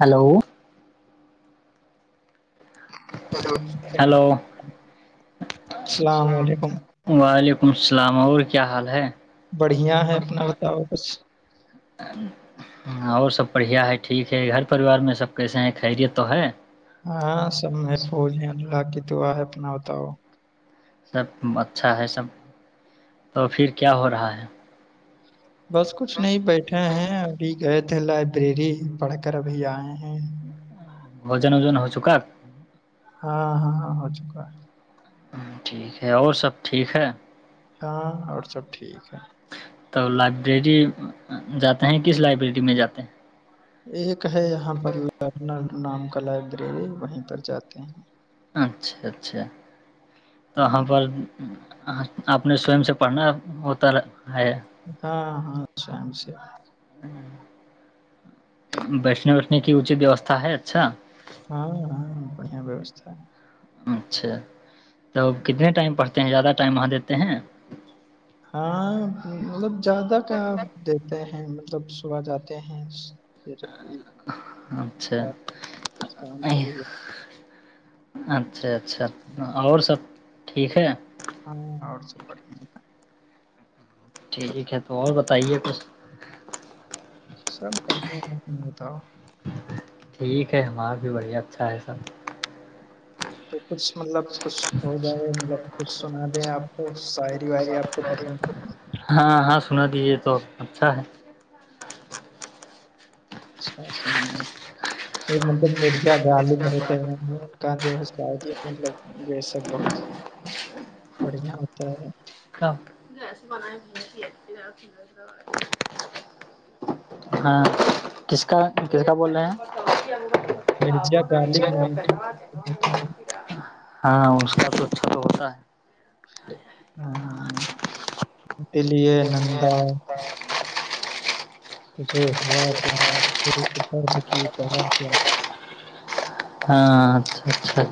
hello hello السلام علیکم وعلیکم ا سلام اور کیا حال ہے بڑھیا ہے اپنا بتاؤ کچھ اور سب بڑھیا ہے ٹھیک ہے گھر پریوار میں سب کیسے ہیں خیریت تو ہے ہاں سب میں پول ج الا کی تو آ ہے اپنا بتاؤ سب اچھا ہے سب تو پھر کیا ہو رہا ہے بس کچھ نہیں بیٹھا ہیں ابھی گئے تھے لائبریری پڑھ کر بھی آئے ہیں بجن وزن ہو چو کا ہاں ہاں ہاں ہو چکا ہے ہ ٹھیک ہے اور سب ٹھیک ہے ہے ہاں اور سب ٹھیک ہے تو لائبریری جاتے ہیں کس لائبریری میں جاتے ہیں ایک ہے یہاں پر ل نام کا لائبریری وہیں پر جاتے ہیں ہیں اچھا اچھا ہاں تواں پر آپ نے سوم سے پڑھنا ہوتا ہے ہاں ہاں شام سے بیشنے ویشنے کی اچی ویوستھا ہے اچھا ہاں ہاں بڑیا ویوستا ہے اچھا تو کتنے ٹائم پڑتے ہیں زیادہ ٹائم وہاں دیتے ہیں ہاں مطلب زیادہ کیا دیتے ہیں مطلب صبح جاتے ہیں پھر اچھا اسلام کو بھی- اچھا اچھا اور سب ٹھیک ہےا ہاں اور سب بڑھیا ہیں ٹھیک ہے تو اور بتائیے کچھ سر پڑھے نہیں بتاؤ ٹھیک ہے ہمار بھی بڑھیا اچھا ہے سب تو کچھ مطلب کچھ ہو جائے مطلب کچھ سنا دیں آپ اسا ہاں ہاں سنا دیجیے تو اچھا ہے اچھا یہ مطلب مرچا ڈال بہت ہے کا جو ہے سد یہ مطلب وہ سک بہت بڑھیا ہوتا ہے ہاں ج ہاں کس کا کس کا بول رہے ہیں مرچا گال بنانےتا ہے ہاں اس کا تو اچھا تو ہوتا ہے ہاں دلیے نندہ تجھے ہوا کیافر کی کرا کیا ہاں اچھا اچھاچ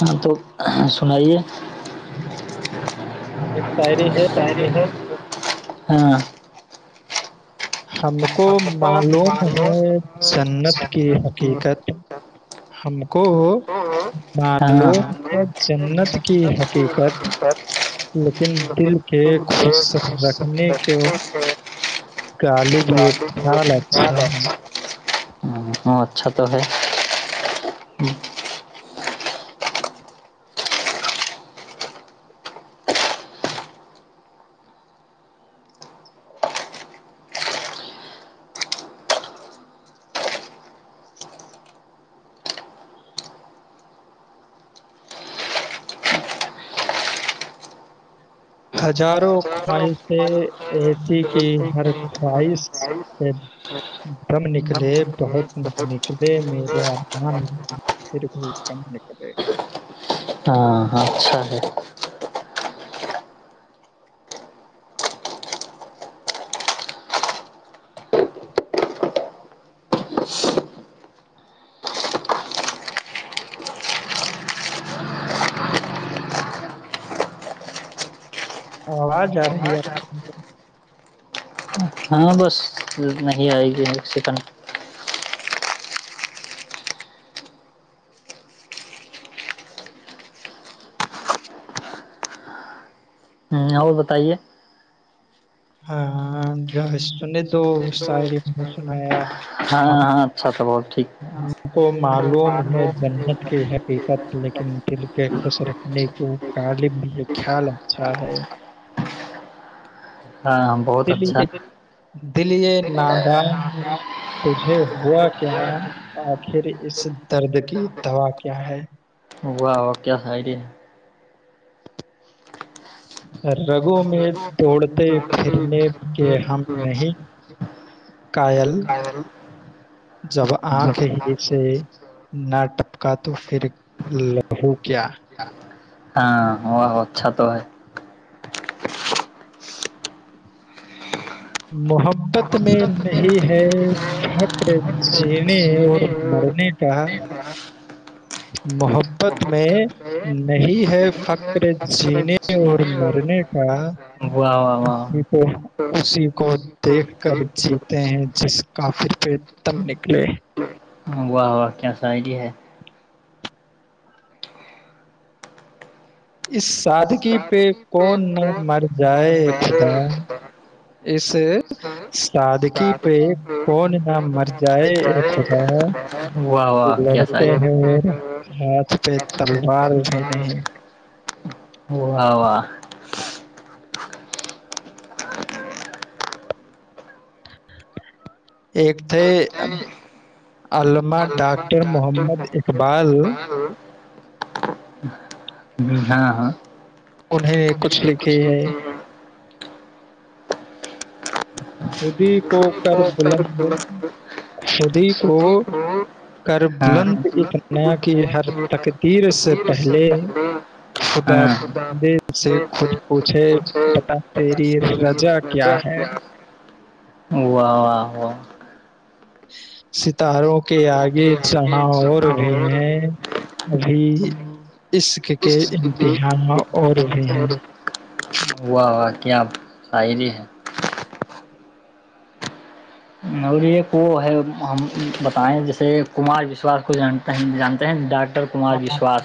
ہاں تو سنائیے ایک سائریے خیری ہے ہاں ہم ہم کو حقت معلوم والو ہے جنت کی شرکت حقیقت ہم کو کو ہاں معلوم ہے جنت کی حقیقت لیکن دل کے خوش رکھنے کے ھ [unintelligible] [unintelligible] ہ وہ اچھا تو ہے ہزاروں خواہشیں ایسی کہ ہر خواہش سے کم نکلے بہت نکلے میرے آران پھر بھی کم نکلے ہاں اچھا ہے ا آ ج آ رہی ہےپ ہاں بس نہیں آئے گی ایک سیکنڈ ہوں اور بتائیے ہاں جو سنے تو شاعری میں نے سنایا ہاں ہم ہاں اچھا تو بہت ٹھیک کو معلوم ہے جنت کی حقیقت لیکن دل کے خوش رکھنے کی وہ غالب یہ خیال اچھا ہے ہاں بہت اچھا دلیے نادان کھ ہے ہوا کیا آخر اس درد کی دوا کیا ہے واہ ہو کیا سائڈ ہے رگو م دوڑ تے پھرنے کے ہم نہیں کائل جب آنکھیں ہی سے نہ ٹپکا تو پھر لو کیا, ہاں و اچھا تو ہے مح بت میں نہیں ہے فخر جینے اور مرنے کاا محبت میں نہیں ہے فخر جینے اور مرنے کا واہ واہ اس واہ اسی کو دیکھ کر جیتے ہیں جس کافھر پ تم نکلے واہ واہ کیا ساری ہے اس سادگی پہ کون نہ مر جائے خدا اس سادگی پہ کون نہ مر جائے ا خدا واہ واہ کیا سا لڑتے ہیں اور ہاتھ پہ تلوار بھی نہیں ہ [unintelligible] و واہ واہ ایک تھے علمہ ڈاکٹر محمد اقبال [unintelligible] ہاں ہ انہیں نے کب کچھ لکھی ہے لیتے ہیں [unintelligible] خودی کو کر بلند خودی کو کر بلند اتنایا کی ہر تقدیر سے پہلے خدا ہاں بندے واہ سے خود پوچھے بتا تیری رجا کیا ہے [unintelligible] واحہ [unintelligible] [unintelligible] ستاروں کے آگے جہاں اور بھی ہیں ابھی عشق کے امتحان اور بھی ہیں واہ واہ کیا شاعری ہے نور یہ وہ ہے ہم بتائیں جیسے کمار وشواس کو جان جانتے ہیں ڈاک اٹر کمار ہیں بسوا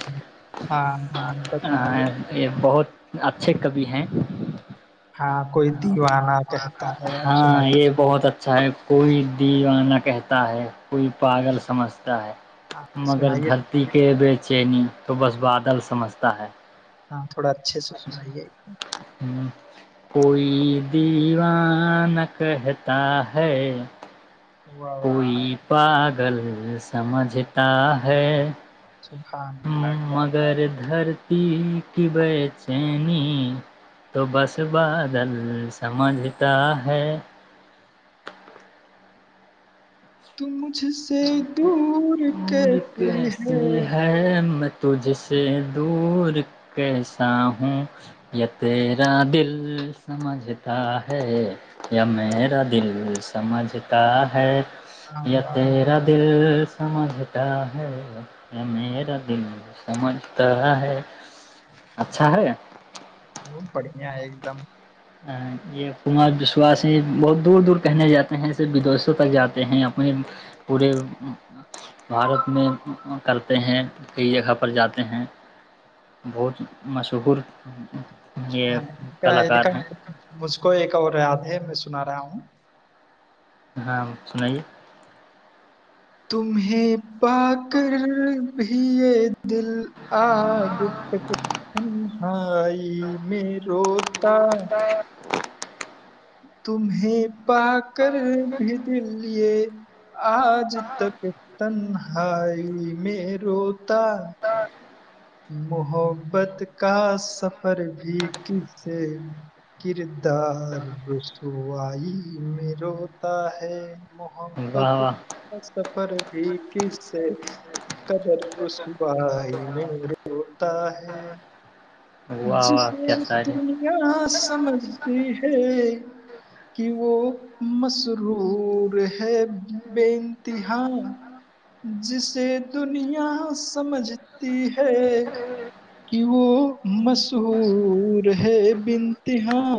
ہاں ہاں تو سنائیے یہ بہت اچھے کبھی ہیں کوئی دیوانہ کہتا ہے آپ ہاں سنائیے یہ بہت اچھا ہے کوئی دیوانہ کہتا ہے کوئی پاگل سمجھتا ہے مگر سنائیے دھرتی کے بیچ چینی تو بس بادل سمجھتا ہے ہاں تھوڑا اچھے سے سنائیے ایک کوئی دیوان کہتا ہے واہ واہ کوئی پ گل سمجھتا ہے سبحان ہ اللہ کیا مگر دھر پی کی بے چینی تو بس بادل سمجھتا ہے ٹم کجھ سے دور دور کیتی کیسی ہیں ہے میں تجھ سے دور کیسا ہوں یا تیرا دل سمجھتا ہے یا میرا دل سمجھتا ہے تو ہاں کیا میرا دل سمجھتا ہے میرا دل سمجھتا ہے اچھا ہے وہ بڑھیا ہے ایک دم یہ کنمار وشواسی ہی بہت دور دور کہنے جاتے ہیں ایسے ودیشوں تک جاتے ہیں اپنے پورے بھارت میں کرتے ہیں کئی جگہ پر جاتے ہیں بہت مشہور یہ ہاں ان کا ان کلاکار کا ہیں مجھ کو ایک اور یاد ہے میں سنا رہا ہوں ہاں سنائیے تمہیں ب کہ بھی یہ دل آ ج ہ ہاں آئی میں رو تو [unintelligible] تمہیں پا کر بھی دلے آج تک تنہائی میں روتا محبت کا سفر بھی کس کردار رسوائی میں روتا ہے واہ محبت واہ سفر بھی کس سے قدر رب م ہوتا ہے واہ واہ جسے کیا شاعری دنیا سمجھتی ہے کہ وہ مسرور ہے بینتیا جسے دنیا سمجھتی ہے کہ وہ مشہور ہے بنتہاں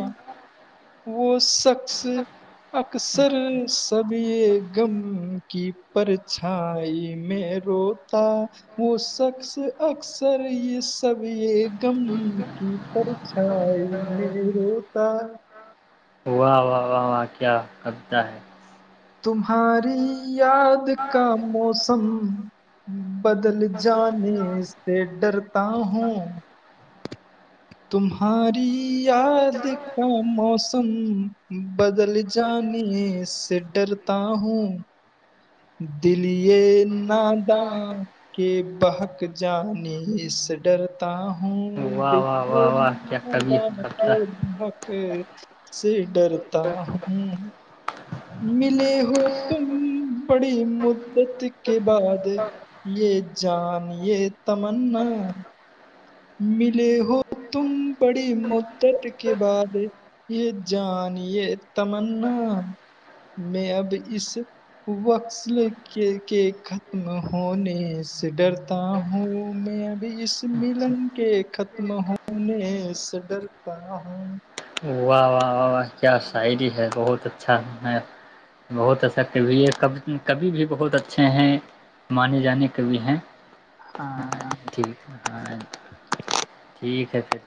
وہ شخص اکثر سب م کی پرچھائی میں روتا وہ شخص اکثر یہ سب غم کی پرچھائی میں روتا واہ واہ واہ واہ کیا ربطہ ہے تمہاری یاد کا موسم بدل جانے سے ڈرتا ہوں تمہاری یاد کا موسم بدل جانے سے ڈرتا ہوں دلی نادا کے بہک جانی سے ڈرتا ہوں ہاں واہ واہ واہ واہ کیا کبھی دیکھ قبطہ نک سے ڈرتا ہ ملے ہو تم بڑی مدت کے بعد یہ جان یہ تمنا ملے ہو تم بڑی مدت کے بعد یہ جانیے تمنا میں اب اس وکصل کے ختم ہونے سے ڈرتا ہوں میں اب اس م کلن کے ختم ہونے سے ڈرتا ہ واہ واہ واہ واہ کیا شاعری ہے بہت اچھا ہے بہت ایسا کبھی ہےب کبھی بھی بہت اچھے ہیں منے جانے ک بھیھی ہیں ہاں ہاں ٹھیک ہاں ٹھیک ہے پھر